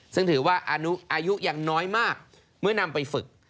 ซึ่งถือว่าอายุยังน้อยมากเมื่อนำไปฝึก